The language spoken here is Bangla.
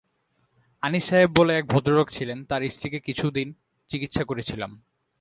আনিস সাহেব বলে এক ভদ্রলোক ছিলেন, তাঁর স্ত্রীকে কিছুদিন চিকিৎসা করেছিলাম।